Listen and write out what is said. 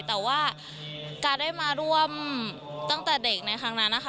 แต่ว่าการได้มาร่วมตั้งแต่เด็กในครั้งนั้นนะคะ